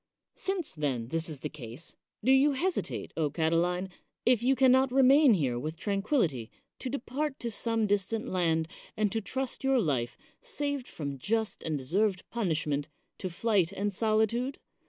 Since, then, this is the case, do you hesitate, O Catiline, if you can not remain here with tran quillity, to depart to some distant land, and to trust your life, saved from just and deserved punishment, to flight and solitude?